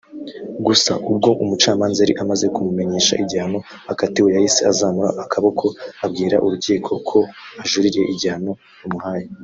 Gusa ubwo umucamanza yari amaze kumumenyesha igihano akatiwe yahise azamura akaboko abwira urukiko ko ajuririye igihano rumuhaye